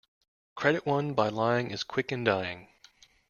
Credit won by lying is quick in dying.